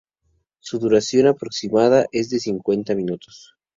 Su duración aproximada es de cincuenta minutos.